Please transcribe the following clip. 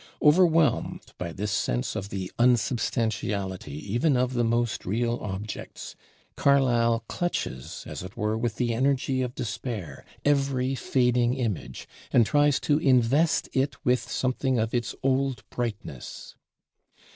Overwhelmed by this sense of the unsubstantiality even of the most real objects, Carlyle clutches, as it were with the energy of despair, every fading image; and tries to invest it with something of its old brightness.